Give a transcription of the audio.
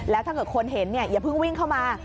แล้วถ้าเกิดคนเห็นอย่าเพิ่งวิ่งเข้ามา